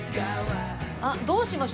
あっどうしましょう？